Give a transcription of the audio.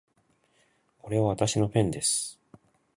これはわたしのペンです